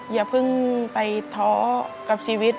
อย่าเพิ่งไปท้อกับชีวิต